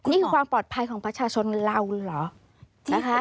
นี่คือความปลอดภัยของประชาชนเราเหรอนะคะ